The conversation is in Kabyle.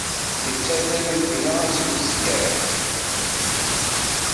Ittazal mebla asemmezger.